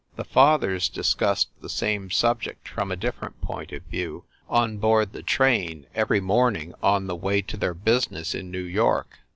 The fathers discussed the same subject from a different point of view, on board the train, every morning on the way to their business in New York.